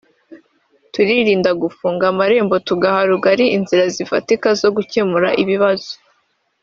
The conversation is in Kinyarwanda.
turirinda gufunga amarembo tugaha rugari inzira zifatika zo gukemura ibibazo